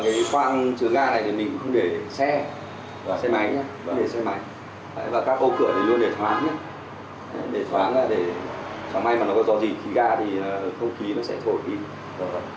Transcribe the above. và cái khoang chữa ga này mình cũng không để xe xe máy không để xe máy và các ô cửa thì luôn để thoáng để thoáng ra để chẳng may mà nó có do gì khi ga thì không ký nó sẽ thổi đi